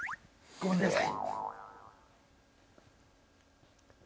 ごめんなさい。